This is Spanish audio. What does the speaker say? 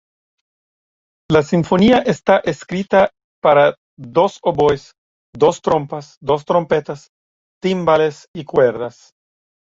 La sinfonía está escrita para dos oboes, dos trompas, dos trompetas, timbales y cuerdas.